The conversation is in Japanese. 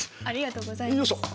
ありがとうございます。